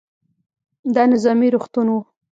دا نظامي روغتون و.